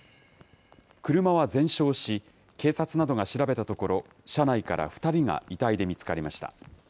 車は全焼し、警察などが調べたところ、車内から２人が遺体で見つかりました。